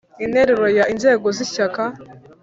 Interuro ya inzego z ishyaka